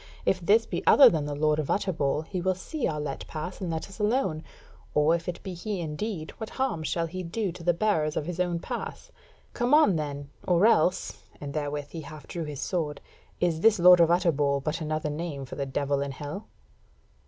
If this be other than the Lord of Utterbol, he will see our let pass and let us alone; or if it be he indeed, what harm shall he do to the bearers of his own pass? Come on then, or else (and therewith he half drew his sword) is this Lord of Utterbol but another name for the Devil in Hell?"